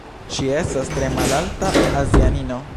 Ŝi estas tre malalta azianino